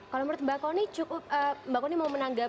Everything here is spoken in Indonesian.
kalau menurut mbak kony